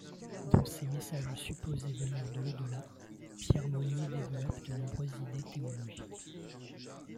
Dans ses messages supposés venir de l'au-delà, Pierre Monnier développe de nombreuses idées théologiques.